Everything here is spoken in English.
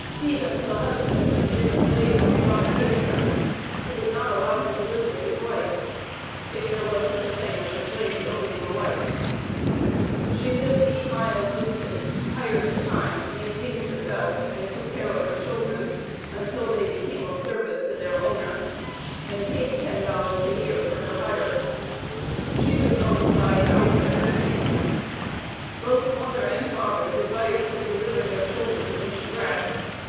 Stephen, the husband, had been a slave of John Kaiger, who would not allow him to live with his wife (if there was such a thing as a slave's owning a wife.) She lived eight miles distant, hired her time, maintained herself, and took care of her children (until they became of service to their owner), and paid ten dollars a year for her hire. She was owned by Algier Pearcy. Both mother and father desired to deliver their children from his grasp.